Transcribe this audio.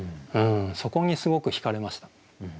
そこにすごくひかれました。